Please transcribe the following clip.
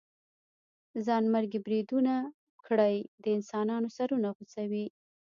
ځانمرګي بريدونه کړئ د انسانانو سرونه غوڅوئ.